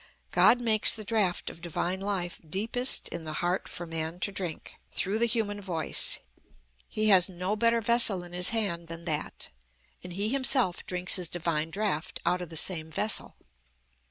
God makes the draught of divine life deepest in the heart for man to drink, through the human voice. He has no better vessel in His hand than that; and He Himself drinks His divine draught out of the same vessel.